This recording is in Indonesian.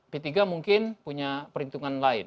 p tiga mungkin punya perhitungan lain